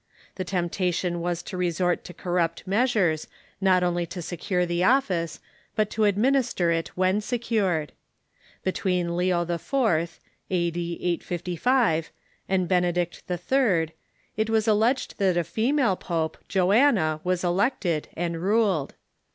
The temptation was to resort to corrupt measures, not only to secure the office, but to ad minister it when secured. Between Leo IV. (a.d. 855) and Benedict III. it was alleged that a female pope, Joanna, was elected, and ruled.